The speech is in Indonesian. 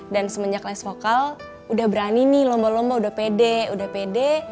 dan semenjak les vokal udah berani nih lomba lomba udah pede udah pede